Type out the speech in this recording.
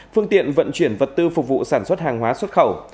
phương tiện vận chuyển vật tư phục vụ sản xuất hàng hóa xuất khẩu